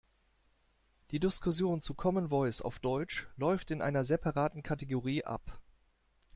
Die Diskussion zu Common Voice auf Deutsch läuft in einer separaten Kategorie ab.